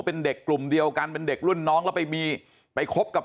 เป็นเด็กกลุ่มเดียวกันเป็นเด็กรุ่นน้องแล้วไปมีไปคบกับ